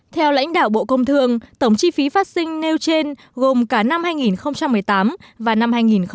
theo lãnh đạo bộ công thương tổng chi phí phát sinh nêu trên gồm cả năm hai nghìn một mươi tám và năm hai nghìn một mươi chín